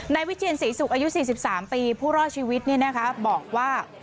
วิเทียนศรีศุกร์อายุ๔๓ปีผู้รอดชีวิตบอกว่า